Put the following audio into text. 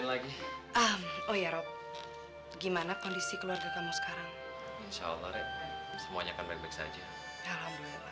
lagi oh ya rob gimana kondisi keluarga kamu sekarang insyaallah semuanya akan baik baik saja